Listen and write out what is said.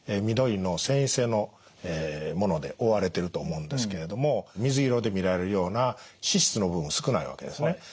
緑の線維性のもので覆われていると思うんですけれども水色で見られるような脂質の部分少ないわけですね。